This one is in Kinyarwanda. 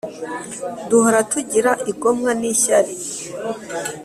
duhora tugira igomwa n’ishyar